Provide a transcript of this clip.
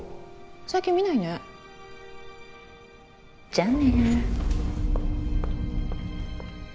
最近見ないねじゃあね